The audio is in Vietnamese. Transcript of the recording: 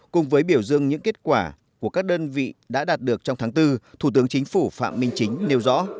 cùng với biểu dương những kết quả của các đơn vị đã đạt được trong tháng bốn thủ tướng chính phủ phạm minh chính nêu rõ